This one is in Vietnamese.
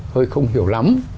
hơi không hiểu lắm